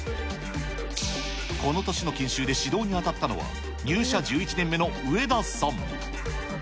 この年の研修で指導に当たったのは、入社１１年目の植田さん。